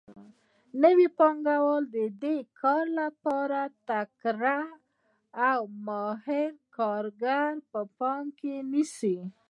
نو پانګوال د دې کار لپاره تکړه او ماهر کارګر په پام کې نیسي